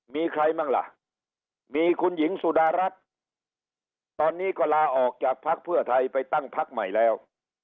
มีใครบ้างล่ะมีคุณหญิงสุดารัฐตอนนี้ก็ลาออกจากภักดิ์เพื่อไทยไปตั้งพักใหม่แล้ว